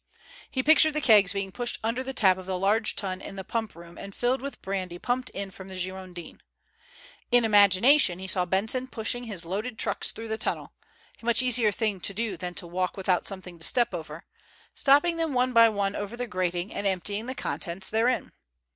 He pictured the kegs being pushed under the tap of the large tun in the pump room and filled with brandy pumped in from the Girondin. In imagination he saw Benson pushing his loaded trucks through the tunnel—a much easier thing to do than to walk without something to step over—stopping them one by one over the grating and emptying the contents therein.